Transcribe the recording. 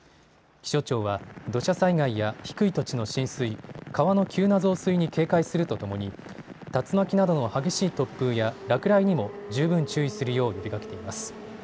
気象庁は土砂災害や低い土地の浸水、川の急な増水に警戒するとともに竜巻などの激しい突風や落雷にも十分注意するよう呼びかけています。